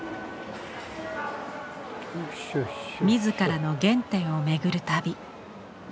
自らの原点を巡る旅。